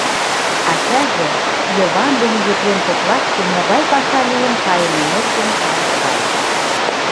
Ачаже Йыван ден Епрем коклаште могай паша лийын кайыме нерген каласкалыш.